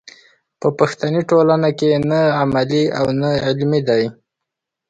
په پښتني ټولنه کې نه عملي او نه علمي دی.